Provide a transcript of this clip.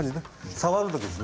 触るだけですね。